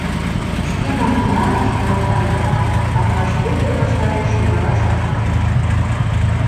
— Шке манмыла, — шуялтале вара, — Атбаш Вӧдыр ваштареш шогалаш оҥай огыл.